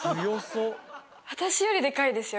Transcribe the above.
私よりでかいですよ